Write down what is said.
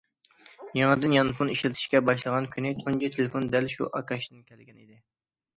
يېڭىدىن يانفون ئىشلىتىشكە باشلىغان كۈنى تۇنجى تېلېفون دەل شۇ ئاكاشتىن كەلگەن ئىدى.